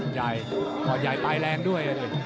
มันปลอดใจปลายแรงด้วย